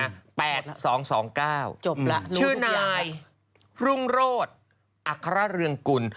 จบละรู้ทุกอย่างแล้วชื่อนายรุ่งโรศอเรืองกุล